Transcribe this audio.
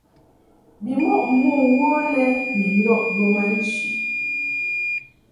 Bimɔʼ mo wo lɛ ni ndɔʼ bə ma nchi.